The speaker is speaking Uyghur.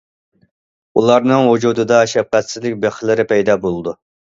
ئۇلارنىڭ ۋۇجۇدىدا شەپقەتسىزلىك بىخلىرى پەيدا بولىدۇ.